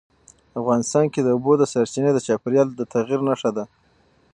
افغانستان کې د اوبو سرچینې د چاپېریال د تغیر نښه ده.